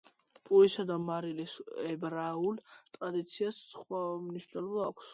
პურისა და მარილის ებრაულ ტრადიციას სხვა მნიშვნელობა აქვს.